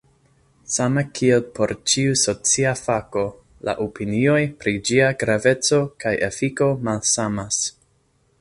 Same kiel por ĉiu socia fakto, la opinioj pri ĝia graveco kaj efiko malsamas.